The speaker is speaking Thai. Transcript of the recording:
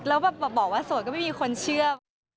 แล้วแบบบอกว่าโสดก็ไม่มีคนเชื่อ